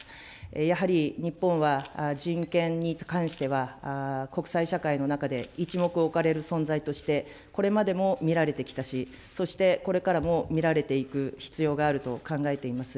やはり日本は人権に関しては、国際社会の中で一目置かれる存在として、これまでも見られてきたし、そして、これからも見られていく必要があると考えています。